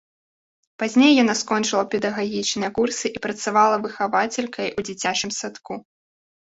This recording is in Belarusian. Пазней яна скончыла педагагічныя курсы і працавала выхавацелькай у дзіцячым садку.